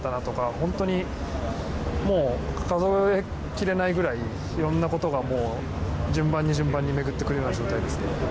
本当に、数えきれないぐらいいろんなことが順番に順番に巡ってくるような状態ですね。